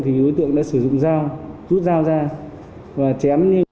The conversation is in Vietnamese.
thì đối tượng đã sử dụng dao rút dao ra và chém